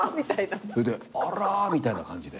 それであらみたいな感じで。